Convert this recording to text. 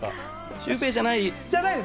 シュウペイじゃない！